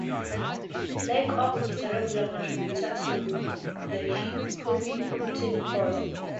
Lakoff is a regular contributor to the "Huffington Post".